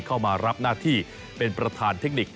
เข้ามารับหน้าที่เป็นประธานเทคนิค